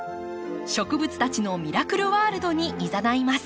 植物たちのミラクルワールドにいざないます。